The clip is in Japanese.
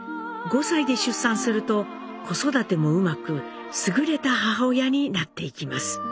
５歳で出産すると子育てもうまく優れた母親になっていきます。